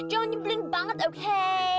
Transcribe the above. jangan nyebring banget oke